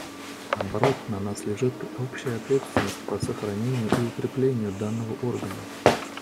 Наоборот, на нас лежит общая ответственность по сохранению и укреплению данного органа.